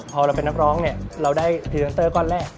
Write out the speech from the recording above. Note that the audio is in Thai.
พอเราเป็นนักร้องเนี่ยเราได้พรีเซนเตอร์ก้อนแรก